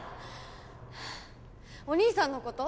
はぁお兄さんのこと？